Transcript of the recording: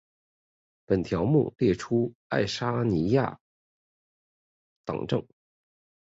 本条目列出爱沙尼亚政党。